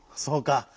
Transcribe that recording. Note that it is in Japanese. そうか。